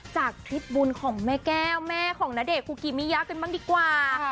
ทริปบุญของแม่แก้วแม่ของณเดชนคุกิมิยะกันบ้างดีกว่า